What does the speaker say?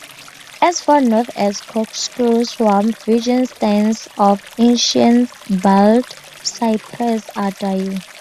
As far north as Corkscrew Swamp, virgin stands of ancient bald cypress are dying.